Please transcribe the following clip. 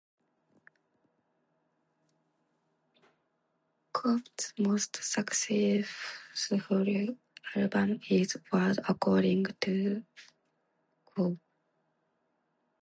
Gob's most successful album is "World According to Gob".